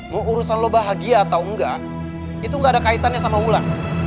mau urusan lo bahagia atau enggak itu gak ada kaitannya sama wulan